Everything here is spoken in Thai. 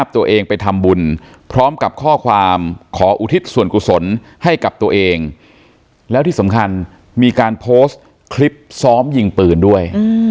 ตัวเองไปทำบุญพร้อมกับข้อความขออุทิศส่วนกุศลให้กับตัวเองแล้วที่สำคัญมีการโพสต์คลิปซ้อมยิงปืนด้วย